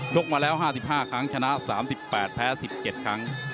กมาแล้ว๕๕ครั้งชนะ๓๘แพ้๑๗ครั้ง